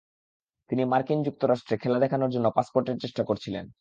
তিনি মার্কিন যুক্তরাষ্ট্রে খেলা দেখনোর জন্য পাসপোর্টের চেষ্টা করছিলেন।